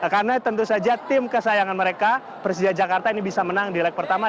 karena tentu saja tim kesayangan mereka persija jakarta ini bisa menang di lag pertama